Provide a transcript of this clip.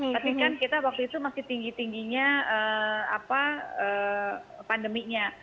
tapi kan kita waktu itu masih tinggi tingginya pandeminya